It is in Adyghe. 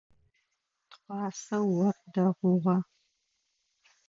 Тыгъуасэ ор дэгъугъэ.